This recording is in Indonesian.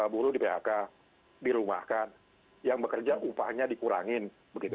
buruh di phk dirumahkan yang bekerja upahnya dikurangin begitu